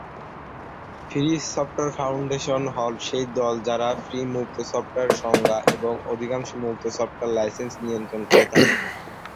Free Software Foundation, হল সেই দল যারা ফ্রি মুক্ত সফটওয়্যার সংজ্ঞা এবং অধিকাংশ মুক্ত সফটওয়্যার লাইসেন্স নিয়ন্ত্রণ করে থাকে।